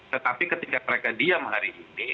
tetapi ketika mereka diam hari ini